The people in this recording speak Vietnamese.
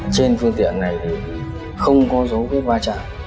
trên phương tiện này thì không có dấu vết va chạm